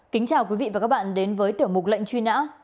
kính chào quý vị và các bạn đến với tiểu mục lệnh truy nã